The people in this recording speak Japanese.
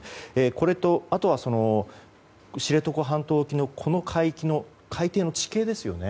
これと、あとは知床半島沖のこの海域の海底の地形ですよね。